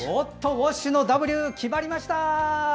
ウォッシュのＷ決まりました！